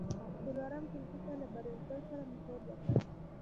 څلورم ټولګي ته له بریالیتوب سره مې هوډ وکړ.